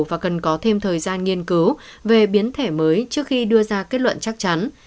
và cần có thêm thời gian nghiên cứu về biến thể mới trước khi đưa ra kết luận chắc chắn